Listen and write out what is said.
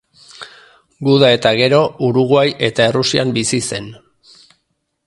Guda eta gero, Uruguai eta Errusian bizi zen.